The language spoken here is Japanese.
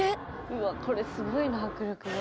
うわこれすごいな迫力が。